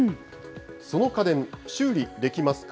その家電、修理できますか？